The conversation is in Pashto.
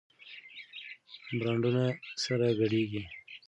برانډونه سره ګډېږي.